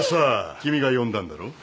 君が呼んだんだろ？